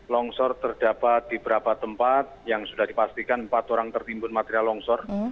longsor terdapat di beberapa tempat yang sudah dipastikan empat orang tertimbun material longsor